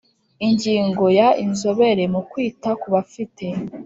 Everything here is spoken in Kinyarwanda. Ingingo ya inzobere mu kwita ku bafite